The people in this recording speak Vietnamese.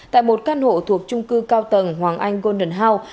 tại một căn hộ thuộc trung cư cao tầng hoàng anh golden house